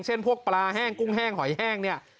พวกปลาแห้งกุ้งแห้งหอยแห้งเนี่ย